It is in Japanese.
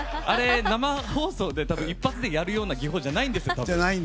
あれ、生放送で一発でやるような技法じゃないんです。